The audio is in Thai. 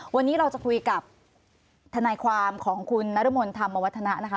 วันนี้เราจะคุยกับทนายความของคุณนรมนธรรมวัฒนะนะคะ